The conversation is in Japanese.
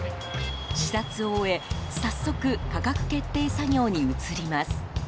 視察を終え早速、価格決定作業に移ります。